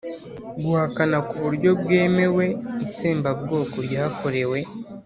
guhakana ku buryo bwemewe itsembabwoko ryakorewe